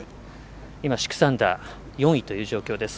今、６アンダー、４位という状況です。